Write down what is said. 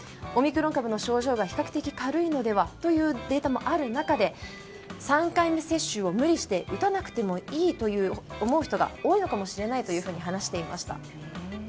オミクロン株の症状が比較的軽いのではというデータもある中で３回目接種を無理して打たなくてもいいと思う人が多いかもしれないと話していました。